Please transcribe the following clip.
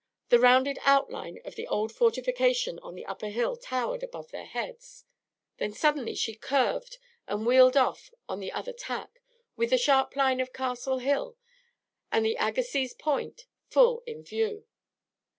The rounded outline of the old fortification on the upper hill towered above their heads. Then suddenly she curved and wheeled off on the other tack, with the sharp line of Castle Hill and the Agassiz Point full in view.